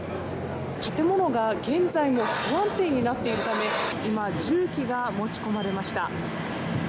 建物が現在も不安定になっているため今、重機が持ち込まれました。